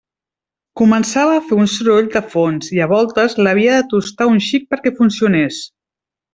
Començava a fer un soroll de fons i a voltes l'havia de tustar un xic perquè funcionés.